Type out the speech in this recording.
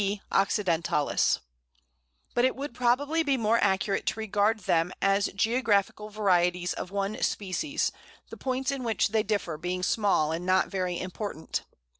occidentalis_); but it would probably be more accurate to regard them as geographical varieties of one species, the points in which they differ being small and not very important.